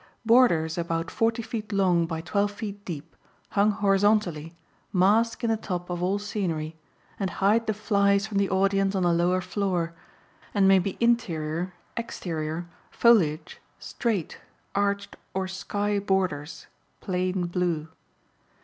Borders about forty feet long by twelve feet deep, hung horizontally, mask in the top of all scenery, and hide the "flies" from the audience on the lower floor, and may be interior, exterior, foliage, straight, arched, or sky borders (plain blue).